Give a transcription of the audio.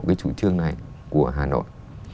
cái chủ trương này của hà nội